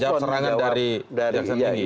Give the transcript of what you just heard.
jawab serangan dari pihak sendiri